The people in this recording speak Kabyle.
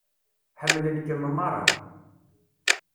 Ḥemmlen-kem meṛṛa.